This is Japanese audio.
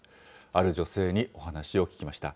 ある女性にお話を聞きました。